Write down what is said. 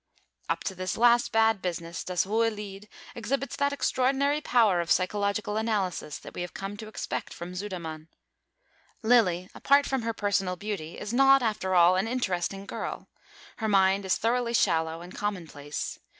Up to this last bad business, Das hohe Lied exhibits that extraordinary power of psychological analysis that we have come to expect from Sudermann. Lilly, apart from her personal beauty, is not, after all, an interesting girl; her mind is thoroughly shallow and commonplace.